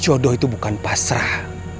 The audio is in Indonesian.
jodoh itu bukan pasrah